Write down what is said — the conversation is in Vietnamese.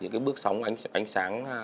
những cái bước sóng ánh sáng